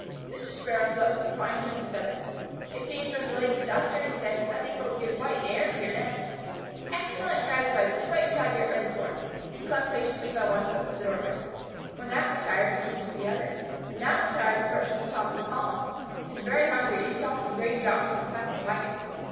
Mr. Sparrow flew up with a fine Turkey feather. "It came from the Lady's duster," he said. "I think it will give quite an air to your nest." "Excellent!" cried his wife. "Just wait until I get ready for it." He clung patiently by one foot to the doorway. When that was tired he changed to the other. When that was tired he perched on the top of the column. He was very hungry, and he saw some grain dropped from a passing wagon.